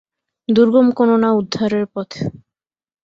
দুর্গম কোনো না উদ্ধারের পথ।